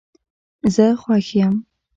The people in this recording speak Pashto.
زه خوښ یم